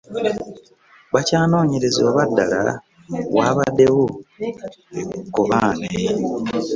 Bakyanoonyereza oba ddala waabaddewo ekkobaane.